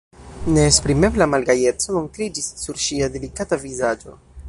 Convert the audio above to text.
Neesprimebla malgajeco montriĝis sur ŝia delikata vizaĝo.